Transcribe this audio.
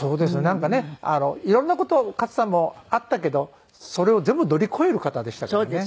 なんかね色んな事勝さんもあったけどそれを全部乗り越える方でしたからね。